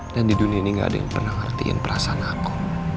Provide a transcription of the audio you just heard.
dan di dunia ini gak ada yang pernah ngertiin perasaan aku